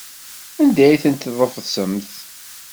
Anda ay tent-tḍefsemt?